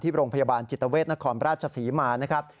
โรงพยาบาลจิตเวทนครราชศรีมานะครับ